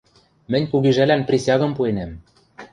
Мӹнь кугижӓлӓн присягым пуэнӓм...